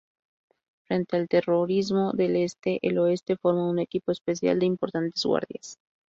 Frente al terrorismo del Este, el Oeste forma un equipo especial de importantes guardias.